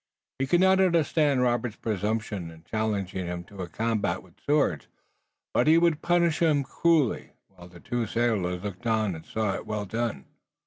He could not understand Robert's presumption in challenging him to a combat with swords, but he would punish him cruelly, while the two sailors looked on and saw it well done.